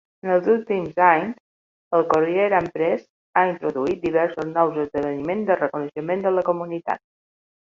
En els últims anys, el Courier and Press ha introduït diversos nous esdeveniments de reconeixement de la comunitat.